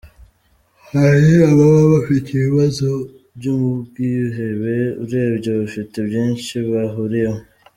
Hari ababa bafite ibibazo by’ubwihebe, urebye bafite byinshi bahuriyeho.